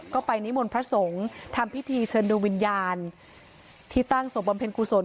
ก็ไปนิมนต์พระสงฆ์ทำพิธีเชิญดูวิญญาณที่ตั้งศพบำเพ็ญกุศล